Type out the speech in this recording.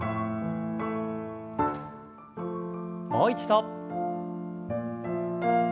もう一度。